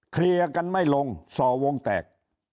เคลียร์กันไม่ลงส่อวงแตก